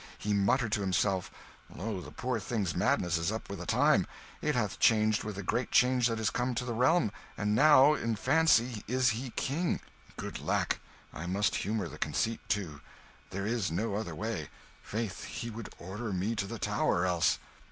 He muttered to himself, "Lo, the poor thing's madness is up with the time! It hath changed with the great change that is come to the realm, and now in fancy is he king! Good lack, I must humour the conceit, too there is no other way faith, he would order me to the Tower, else!"